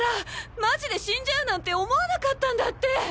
マジで死んじゃうなんて思わなかったんだって。